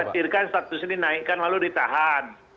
dikhawatirkan status ini naikkan lalu ditahan